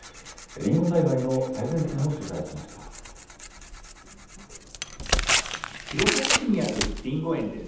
りんご栽培の最前線を取材しまし弘前市にあるりんご園です。